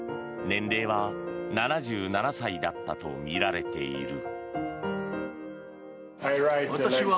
年齢は７７歳だったとみられている。